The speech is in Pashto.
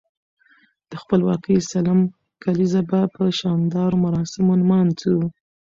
د خپلواکۍ سلم کاليزه به په شاندارو مراسمو نمانځو.